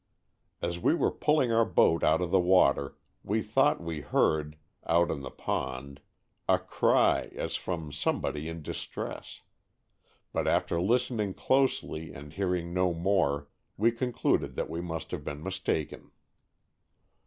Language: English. As we were pulling our boat out of the water, we thought we heard, out on the pond, a cry as from somebody in distress ; but after listening closely and hearing no more we concluded that we must have been mistaken.